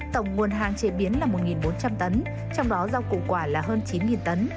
tổng nguồn hàng chế biến là một bốn trăm linh tấn trong đó rau củ quả là hơn chín tấn